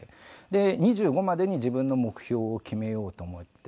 で２５までに自分の目標を決めようと思ってまして。